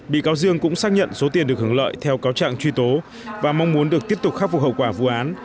bị cáo dương cũng xác nhận số tiền được hưởng lợi theo cáo trạng truy tố và mong muốn được tiếp tục khắc phục hậu quả vụ án